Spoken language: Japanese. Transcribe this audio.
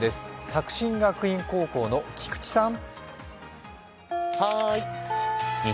作新学院高校の菊池さん。